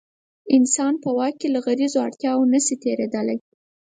انسان په واک کې له غریزو اړتیاوو نه شي تېرېدلی.